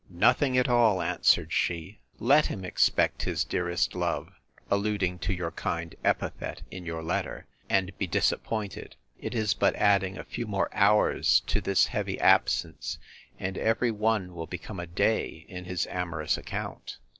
Nothing at all, answered she; let him expect his dearest love, alluding to your kind epithet in your letter, and be disappointed; it is but adding a few more hours to this heavy absence, and every one will become a day in his amorous account.